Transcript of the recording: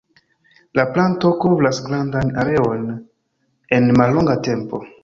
La planto kovras grandan areon en mallonga tempo.